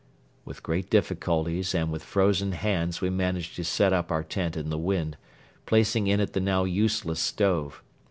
With great difficulties and with frozen hands we managed to set up our tent in the wind, placing in it the now useless stove.